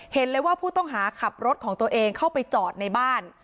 เห็นเลยว่าผู้ต้องหาขับรถของตัวเองเข้าไปจอดในบ้าน